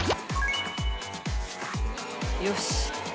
「よし」